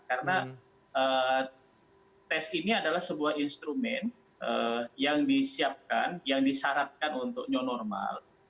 karena tes ini adalah sebuah instrumen yang disiapkan yang disaratkan untuk nonormal